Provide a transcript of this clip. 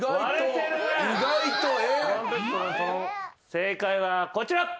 正解はこちら。